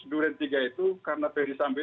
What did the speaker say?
durian tiga itu karena ferdisambu